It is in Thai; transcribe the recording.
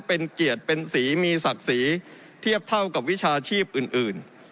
เป็นเกียรติเป็นสีมีศักดิ์ศรีเทียบเท่ากับวิชาชีพอื่น